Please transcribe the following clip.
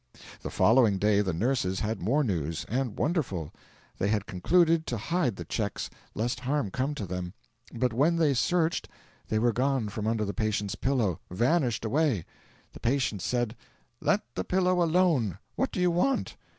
The following day the nurses had more news and wonderful. They had concluded to hide the cheques, lest harm come to them; but when they searched they were gone from under the patient's pillow vanished away. The patient said: "Let the pillow alone; what do you want?"